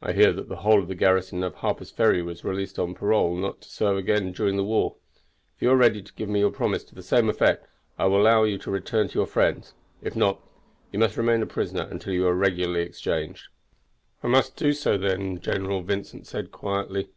"I hear that the whole of the garrison of Harper's Ferry were released on parole not to serve again during the war. If you are ready to give me your promise to the same effect I will allow you to return to your friends; if not, you must remain a prisoner until you are regularly exchanged." "I must do so, then, general," Vincent said quietly.